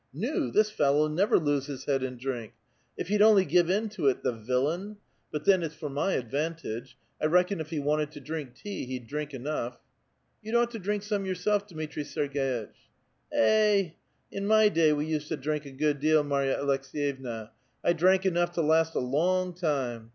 Na! this fellow'll never loose his head in drink ! If he'd only give in to it, the villain ! But then, it's for my advantage ! I reckon if he wanted to drink tea, he'd drink enough !) You'd ought to drink some yourself, Dmitri Serg^itch." "Eh! in my day we used to drink a good deal, Marya Aleks^yevna. I drank enough to last a long time.